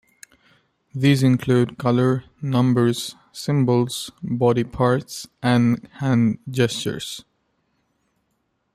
These include color, numbers, symbols, body parts and hand gestures.